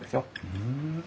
ふん。